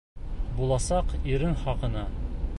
Буласаҡ ирең хаҡына.